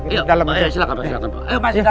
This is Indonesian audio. silahkan pak silahkan